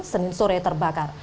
senin sore terbakar